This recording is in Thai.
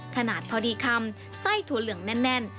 ขนาดพอดีคำไส้ถั่วเหลืองแน่น